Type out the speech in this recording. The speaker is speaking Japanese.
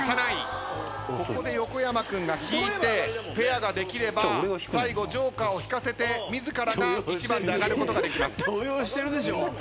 ここで横山君が引いてペアができれば最後ＪＯＫＥＲを引かせて自らが１番で上がることができます。